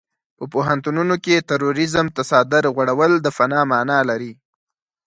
په پوهنتونونو کې تروريزم ته څادر غوړول د فناه مانا لري.